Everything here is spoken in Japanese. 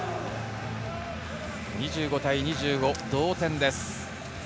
２５対２５、同点です。